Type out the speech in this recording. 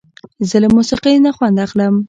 زه له موسیقۍ نه خوند اخلم.